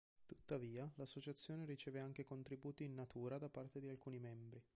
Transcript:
Tuttavia, l'Associazione riceve anche contributi in natura da parte di alcuni membri.